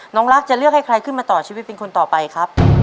น้องรักจะเลือกให้ใครขึ้นมาต่อชีวิตเป็นคนต่อไปครับ